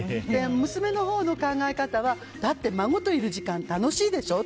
娘のほうの考え方はだって、孫といる時間楽しいでしょ。